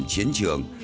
giữ chiến trường